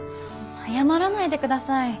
謝らないでください。